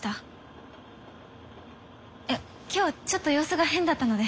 いや今日ちょっと様子が変だったので。